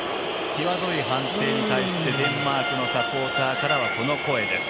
きわどい判定に対してデンマークサポーターからはこの声です。